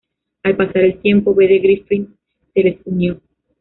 Al pasar el tiempo Bede Griffiths se les unió.